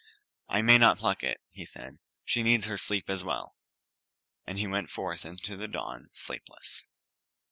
"I may not pluck it," he said. "She needs her sleep as well." And he went forth into the dawn sleepless.